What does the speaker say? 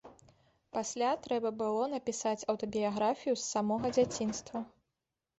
Пасля трэба было напісаць аўтабіяграфію з самога дзяцінства.